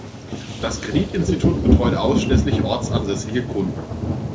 Das Kreditinstitut betreut ausschließlich ortsansässige Kunden.